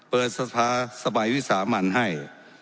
เปิดสมัยวิสามัญให้